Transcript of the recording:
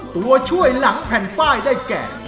ตัวช่วยหลังแผ่นป้ายได้แก่